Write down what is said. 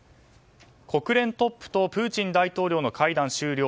国連トップとプーチン大統領の会談終了。